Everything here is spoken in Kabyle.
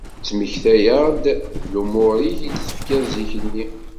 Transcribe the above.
Ttmektayeɣ-d d lumuṛ-ik i d-tefkiḍ zik-nni.